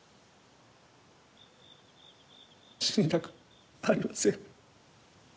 死にたくありません。